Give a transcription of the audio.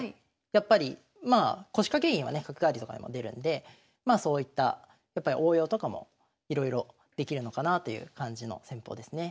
やっぱりまあ腰掛け銀はね角換わりとかでも出るんでそういった応用とかもいろいろできるのかなという感じの戦法ですね。